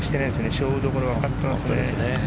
勝負どころがわかってますね。